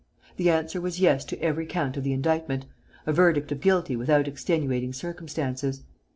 The answer was "Yes" to every count of the indictment, a verdict of guilty without extenuating circumstances.